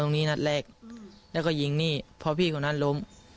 นัดแรกแล้วก็ยิงนี่พอพี่คนนั้นล้ม